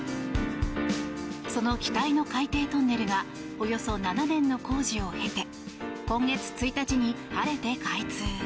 その期待の海底トンネルがおよそ７年の工事を経て今月１日に晴れて開通。